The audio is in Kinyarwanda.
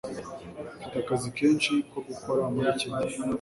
Mfite akazi kenshi ko gukora muri iki gihe.